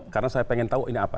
karena saya ingin tahu ini apa